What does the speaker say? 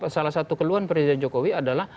salah satu keluhan presiden jokowi adalah